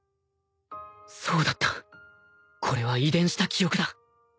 そうだったこれは遺伝した記憶だ